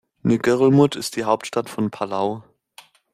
Ngerulmud ist die Hauptstadt von Palau.